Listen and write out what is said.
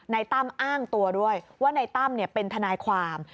ตั้มอ้างตัวด้วยว่านายตั้มเป็นทนายความ